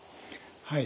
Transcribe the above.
はい。